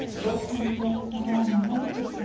先手７七同じく飛車。